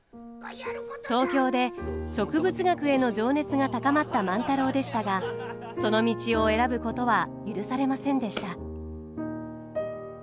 東京で植物学への情熱が高まった万太郎でしたがその道を選ぶことは許されませんでした。